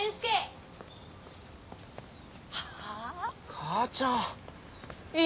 母ちゃん！